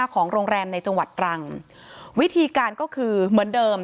ของโรงแรมในจังหวัดตรังวิธีการก็คือเหมือนเดิม